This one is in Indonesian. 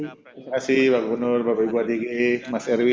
terima kasih pak gubernur bapak ibu adik i mas erwin